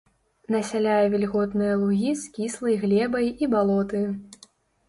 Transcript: Насяляе вільготныя лугі з кіслай глебай і балоты.